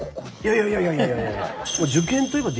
いやいやいやいや。